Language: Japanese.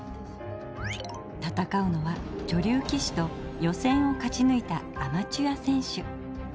戦うのは女流棋士と予選を勝ち抜いたアマチュア選手。